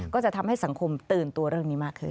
ก็จะทำให้สังคมตื่นตัวเรื่องนี้มากขึ้น